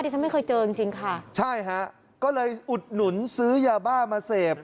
ฉันไม่เคยเจอจริงจริงค่ะใช่ฮะก็เลยอุดหนุนซื้อยาบ้ามาเสพ